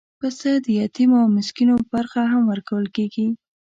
پسه د یتیمو او مسکینو برخه هم ورکول کېږي.